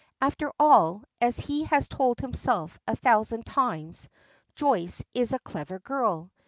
After all, as he has told himself a thousand times, Joyce is a clever girl.